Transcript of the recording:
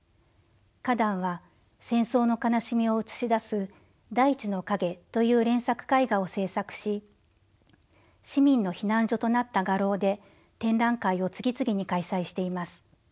カダンは戦争の悲しみを映し出す「大地の影」という連作絵画を制作し市民の避難所となった画廊で展覧会を次々に開催しています。